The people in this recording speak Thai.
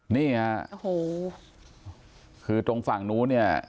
นี่ฮะโอ้โหคือตรงฝั่งนู้นเนี่ย